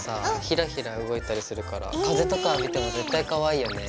ひらひら動いたりするから風とか当てても絶対かわいいよね。